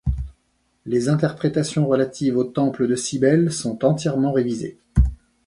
Les interprétations relatives au temple de Cybèle sont entièrement révisées.